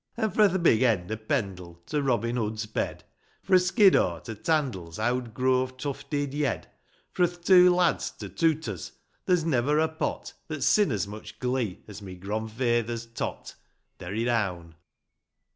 An' fro' th' big end o' Pendic To Robin Hood's Bed ; Fro' Skiddaw to Tandle's Owd grove tufted yed ; Fro' th' Two Lads to Tooter's, There's never a pot That's sin as much glee As my gronfaither's tot. Derry down.